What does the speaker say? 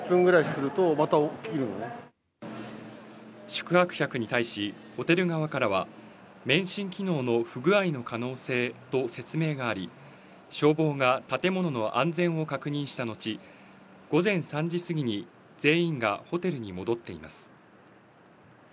宿泊客に対し、ホテル側からは免震機能の不具合の可能性と説明があり、消防が建物の安全を確認した後、午前３時過ぎに全員がホテルに戻っています。